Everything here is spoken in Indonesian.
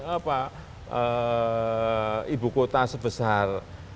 ini memang ibu kota sebesar